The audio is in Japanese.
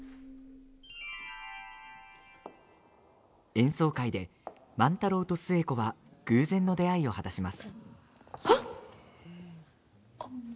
演奏会で万太郎と寿恵子は偶然の出会いを果たします。